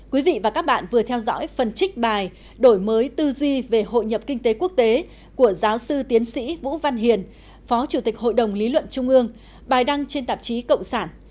quý vị và các bạn vừa theo dõi phần trích bài đổi mới tư duy về hội nhập kinh tế quốc tế của giáo sư tiến sĩ vũ văn hiền phó chủ tịch hội đồng lý luận trung ương bài đăng trên tạp chí cộng sản